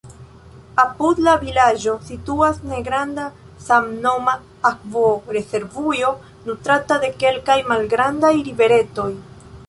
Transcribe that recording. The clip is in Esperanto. Apud la vilaĝo situas negranda samnoma akvorezervujo, nutrata de kelkaj malgrandaj riveretoj.